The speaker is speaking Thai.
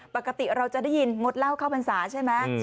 ปกติเราจะได้ยินงดเหล้าเข้าพรรษาใช่ไหม